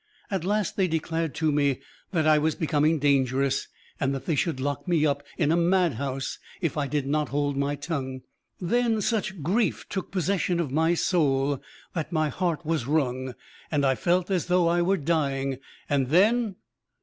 At last they declared to me that I was becoming dangerous and that they should lock me up in a madhouse if I did not hold my tongue. Then such grief took possession of my soul that my heart was wrung, and I felt as though I were dying; and then